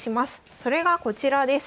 それがこちらです。